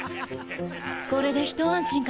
これで一安心かしら。